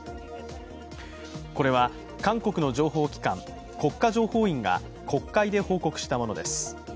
これは、韓国の情報機関・国家情報院が国会で報告したものです。